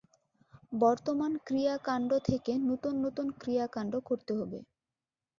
বর্তমান ক্রিয়াকাণ্ড থেকে নূতন নূতন ক্রিয়াকাণ্ড করতে হবে।